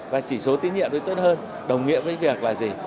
và chỉ số tín nhiệm tốt hơn đồng nghĩa với việc là gì